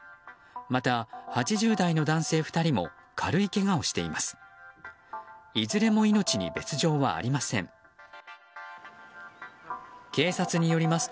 また、８０代の男性２人も軽いけがをしています。